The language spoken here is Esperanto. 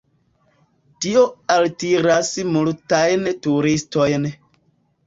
Tio altiras multajn turistojn.